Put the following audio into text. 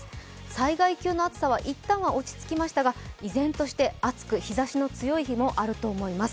災害級の暑さは一旦は落ち着きましたが、依然として暑く日ざしの強い日もあると思います。